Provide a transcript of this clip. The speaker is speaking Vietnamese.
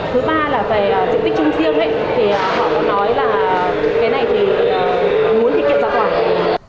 thứ ba là về tiệm tích chung riêng ấy thì họ cũng nói là cái này thì muốn thiết kiệm ra quả